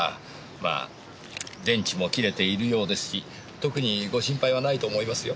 まあ電池も切れているようですし特にご心配はないと思いますよ。